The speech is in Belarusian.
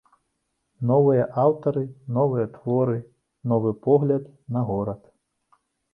Новыя аўтары, новыя творы, новы погляд на горад!